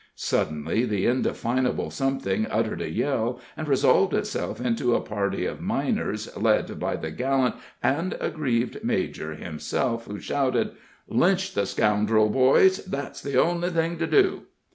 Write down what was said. Suddenly the indefinable something uttered a yell, and resolved itself into a party of miners, led by the gallant and aggrieved major himself, who shouted: "Lynch the scoundrel, boys that's the only thing to do!"